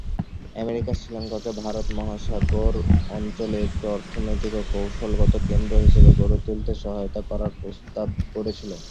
America শ্রীলঙ্কাকে ভারত মহাসাগর অঞ্চলে একটি অর্থনৈতিক ও কৌশলগত কেন্দ্র হিসাবে গড়ে তুলতে সহায়তা করার প্রস্তাব করেছিল।